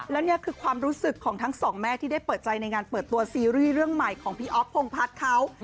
แล้วนี่คือความรู้สึกของทั้งสองแม่ที่ได้เปิดใจในงานเปิดตัวซีรีส์เรื่องใหม่ของพี่อ๊อฟพงพัฒน์เขา